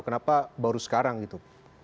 kenapa baru sekarang gitu